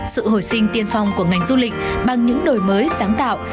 sự hồi sinh tiên phong của ngành du lịch bằng những đổi mới sáng tạo